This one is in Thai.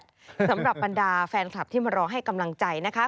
สำหรับบรรดาแฟนคลับที่มารอให้กำลังใจนะคะ